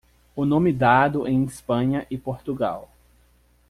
O nome dado em Espanha e Portugal.